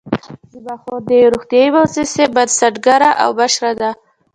زما خور د یوې روغتیايي مؤسسې بنسټګره او مشره ده